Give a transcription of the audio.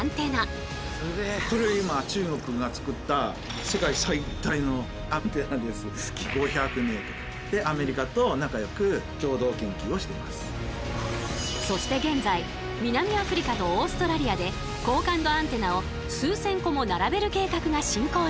これ今中国がつくったそして現在南アフリカとオーストラリアで高感度アンテナを数千個も並べる計画が進行中。